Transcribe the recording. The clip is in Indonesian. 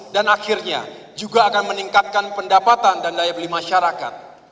dan akhirnya juga akan meningkatkan pendapatan dan daya beli masyarakat